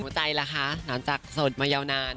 หัวใจละคะหลังจากสดมาเยาว์นาน